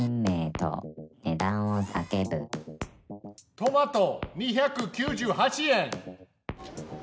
トマト２９８円。